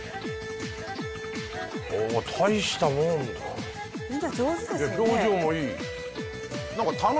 大したもんだ。